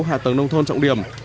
hạ tầng nông thôn trọng điểm